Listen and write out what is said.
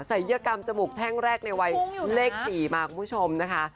ยกรรมจมูกแท่งแรกในวัยเลข๔มาคุณผู้ชมนะคะ